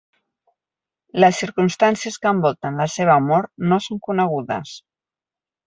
Les circumstàncies que envolten la seva mort no són conegudes.